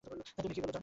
তুমি কী বলো, জন?